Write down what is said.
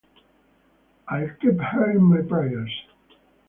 I'll keep her in my prayers.